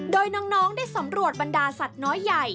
โดยน้องได้สำรวจบรรดาสัตว์น้อยใหญ่